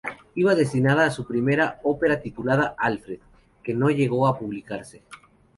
Iba destinada a su primera ópera titulada "Alfred" que no llegó a publicarse.